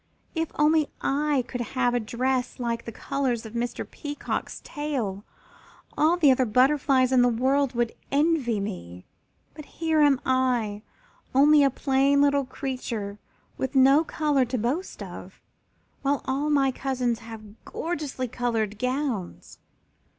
If only I could have a dress like the colors of Mr. Peacock's tail all the other butterflies in the world would envy me. "But here am I, only a plain little creature, with no color to boast of, while all my cousins have gorgeously colored gowns.